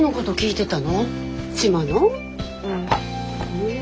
うん。